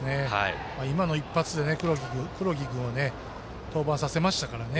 今の一発で黒木君を登板させましたからね。